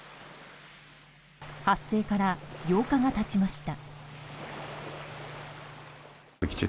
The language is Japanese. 発生から８日が経ちました。